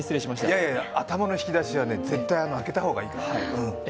いやいや、頭の引き出しは絶対開けた方がいいから。